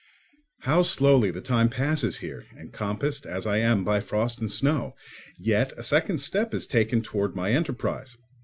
How slowly the time passes here, encompassed as I am by frost and snow! Yet a second step is taken towards my enterprise.